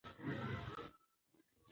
هغوی غواړي چې په خپله ژبه کتابونه چاپ کړي.